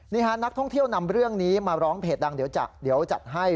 นักท่องเที่ยวนำเรื่องนี้มาร้องเพจดังเดี๋ยวจัดให้